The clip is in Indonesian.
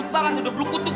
aku tau kan udah beluk kutuk